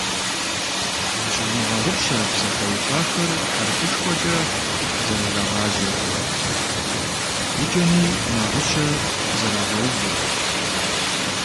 Зыщывмыгъэгъупщэ псалъэухахэр хьэрфышхуэкӀэ къызэрырагъажьэр, и кӀэми нагъыщэ зэрагъэувыр.